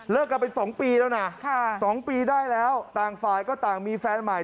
เลิกกันไปสองปีแล้วน่ะค่ะสองปีได้แล้วต่างฝ่ายก็ต่างมีแฟนใหม่